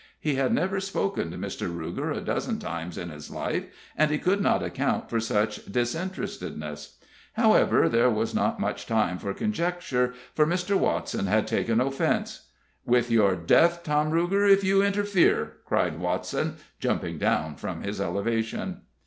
He had never spoken to Mr. Ruger a dozen times in his life, and he could not account for such disinterestedness. However, there was not much time for conjecture, for Mr. Watson had taken offense. "With your death, Tom Ruger, if you interfere!" cried Watson, jumping down from his elevation.